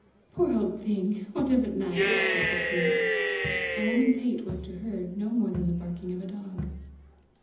"Poor old thing! what does it matter!" said Christina. A woman's hate was to her no more than the barking of a dog.